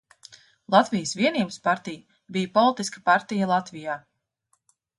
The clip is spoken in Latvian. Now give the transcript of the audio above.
Latvijas Vienības partija bija politiska partija Latvijā.